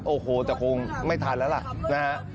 โอ้โหแต่คงไม่ทันแล้วล่ะนะฮะ